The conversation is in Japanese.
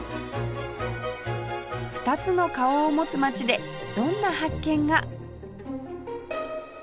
２つの顔を持つ街でどんな発見が？